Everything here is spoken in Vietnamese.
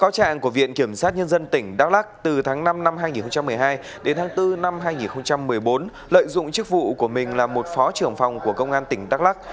từ tháng năm năm hai nghìn một mươi hai đến tháng bốn năm hai nghìn một mươi bốn lợi dụng chức vụ của mình là một phó trưởng phòng của công an tỉnh đắk lắc